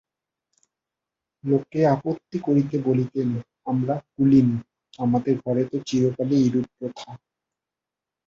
লোকে আপত্তি করিলে বলিতেন, আমরা কুলীন, আমাদের ঘরে তো চিরকালই এইরূপ প্রথা।